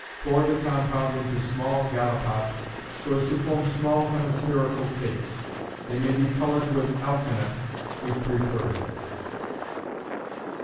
Pour the compound into small gallipots, so as to form small hemispherical cakes. They may be colored with alkanet, if preferred.